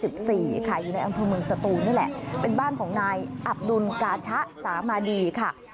ขายอยู่ในอำเภอเมืองสตูนนี่แหละเป็นบ้านของนายอับดุลกาชะสามาดีค่ะ